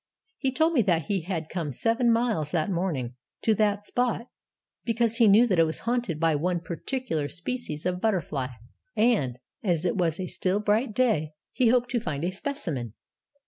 'He told me that he had come seven miles that morning to that spot, because he knew that it was haunted by one particular species of butterfly; and, as it was a still, bright day, he hoped to find a specimen.'